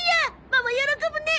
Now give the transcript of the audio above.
ママ喜ぶね！